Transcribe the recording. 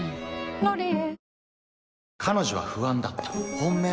「ロリエ」